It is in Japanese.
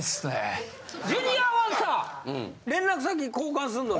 ジュニアはさ連絡先交換すんのに。